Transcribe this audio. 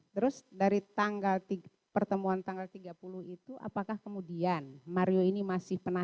terus dari pertemuan tanggal tiga puluh itu apakah kemudian mario ini masih penasaran